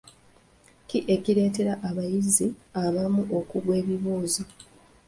Ki ekireetera abayizi abamu okugwa ebibuuzo?